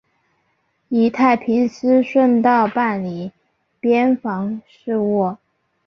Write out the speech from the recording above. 以太平思顺道办理边防事务。